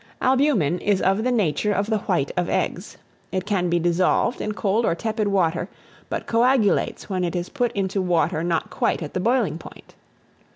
ALBUMEN is of the nature of the white of eggs; it can be dissolved in cold or tepid water, but coagulates when it is put into water not quite at the boiling point.